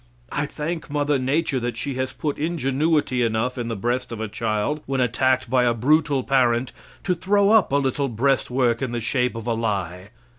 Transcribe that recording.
I thank Mother Nature that she has put ingenuity enough in the breast of a child, when attacked by a brutal parent, to throw up a little breastwork in the shape of a lie.